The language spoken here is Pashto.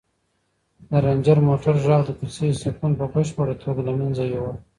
د رنجر موټر غږ د کوڅې سکون په بشپړه توګه له منځه یووړ.